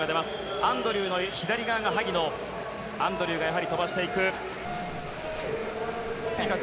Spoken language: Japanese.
アンドリューの左側が萩野、アンドリューがやはり飛ばしていく。